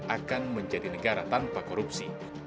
akan menjadi negara tanpa korupsi